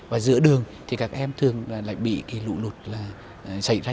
và giữa đường thì các em thường lại bị lụ lụt xảy ra